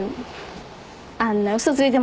あんな嘘ついてまでさ